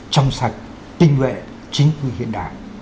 trong sạch tinh vệ chính quyền hiện đại